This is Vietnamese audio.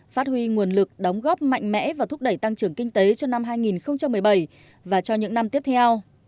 phát huy nguồn lực đóng góp mạnh mẽ và thúc đẩy tăng trưởng kinh tế cho năm hai nghìn một mươi bảy và cho những năm tiếp theo